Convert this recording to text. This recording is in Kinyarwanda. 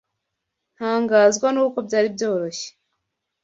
Ntangazwa nuko byari byoroshye.